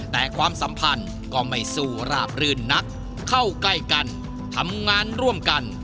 แต่ความสัมพันธ์ก็ไม่สู้ราบรื่นนักเข้าใกล้กันทำงานร่วมกัน